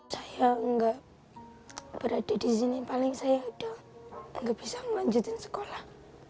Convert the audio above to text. saya enggak berada di sini paling saya udah gak bisa melanjutkan sekolah